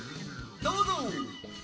どうぞ！